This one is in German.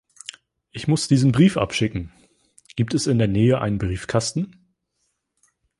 Ich muss diesen Brief abschicken. Gibt es in der Nähe einen Briefkasten?